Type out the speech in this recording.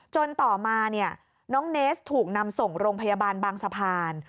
ต่อมาน้องเนสถูกนำส่งโรงพยาบาลบางสะพาน